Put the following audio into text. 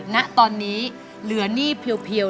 ณตอนนี้เหลือหนี้เพียว